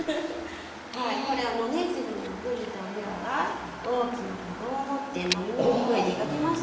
はいこれは「のねずみのぐりとぐらは大きなカゴを持って森の奥へ出かけました」。